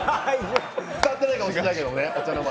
伝わってないかもしれないけどね。